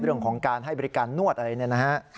เรื่องของการให้บริการนวดอะไรเนี่ยนะฮะ